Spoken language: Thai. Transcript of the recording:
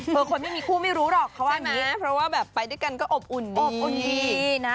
คือคนไม่มีคู่ไม่รู้หรอกเขาว่าอย่างนี้นะเพราะว่าแบบไปด้วยกันก็อบอุ่นอบอุ่นดีนะ